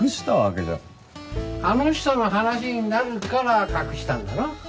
あの人の話になるから隠したんだろ？